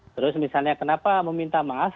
terus misalnya kenapa meminta maaf